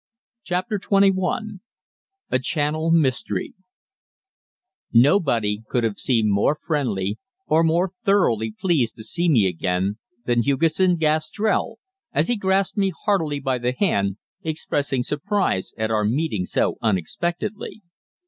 CHAPTER XXI A CHANNEL MYSTERY Nobody could have seemed more friendly or more thoroughly pleased to see me again than Hugesson Gastrell as he grasped me heartily by the hand, expressing surprise at our meeting so unexpectedly.